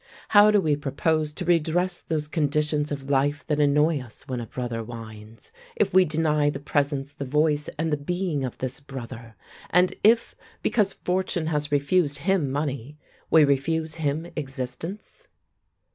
How do we propose to redress those conditions of life that annoy us when a brother whines, if we deny the presence, the voice, and the being of this brother, and if, because fortune has refused him money, we refuse him existence?